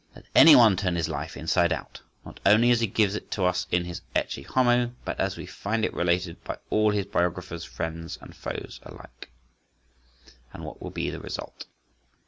Let anyone turn his life inside out, not only as he gives it to us in his Ecce Homo, but as we find it related by all his biographers, friends and foes alike, and what will be the result?